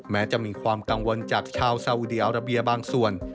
แม้จะมีความกังวลจากชาวซาอุดีอาราเบียบางส่วน